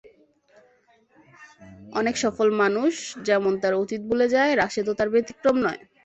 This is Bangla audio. অনেক সফল মানুষ যেমন তার অতীত ভুলে যায়, রাশেদও তার ব্যতিক্রম নয়।